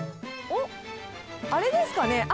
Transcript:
おっ、あれですかね。